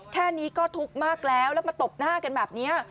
แค่นี้ก็ทุกข์มากแล้วแล้วมาตบหน้ากันแบบนี้